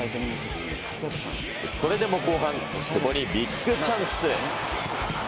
それでも後半、久保にビッグチャンス。